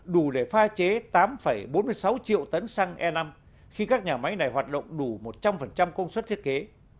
đủ để pha chế tám bốn mươi sáu triệu tấn xăng e năm khi các nhà máy này hoạt động đủ một trăm linh công suất thiết kế